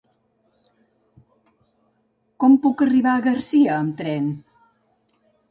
Com puc arribar a Garcia amb tren?